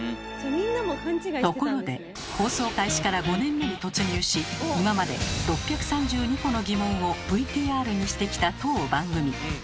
ところで放送開始から５年目に突入し今まで６３２個の疑問をＶＴＲにしてきた当番組。